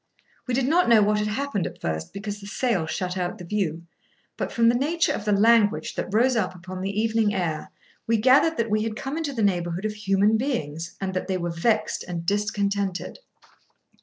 We did not know what had happened at first, because the sail shut out the view, but from the nature of the language that rose up upon the evening air, we gathered that we had come into the neighbourhood of human beings, and that they were vexed and discontented.